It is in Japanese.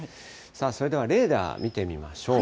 それではレーダー見てみましょう。